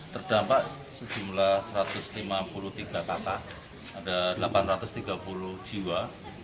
terdampak sejumlah satu ratus lima puluh tiga kakak ada delapan ratus tiga puluh jiwa